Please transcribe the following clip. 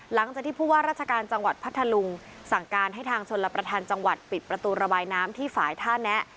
หลังจากที่ผู้ว่าราชการจังหวัดพัทธลุงสั่งการให้ทางชนรับประทานจังหวัดปิดประตูระบายน้ำที่ฝ่ายท่าแนะ